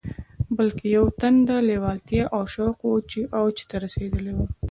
بلکې يوه تنده، لېوالتیا او شوق و چې اوج ته رسېدلی و.